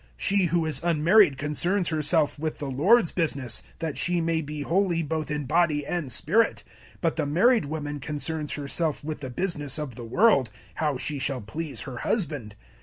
She who is unmarried concerns herself with the Lord's business that she may be holy both in body and spirit; but the married woman concerns herself with the business of the world how she shall please her husband.